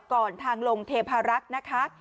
ก่อนทางลงเทพรักษณ์นะคะ